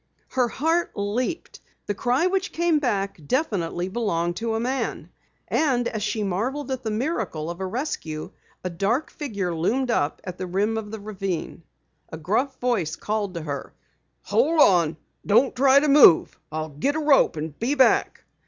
Her heart leaped. The cry which came back definitely belonged to a man! And as she marveled at the miracle of a rescue, a dark figure loomed up at the rim of the ravine. A gruff voice called to her: "Hold on! Don't try to move! I'll get a rope and be back!"